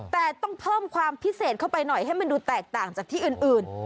แต่ต้องเพิ่มความพิเศษเข้าไปหน่อยให้มันดูแตกต่างจากที่อื่น